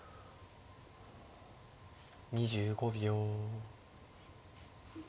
２５秒。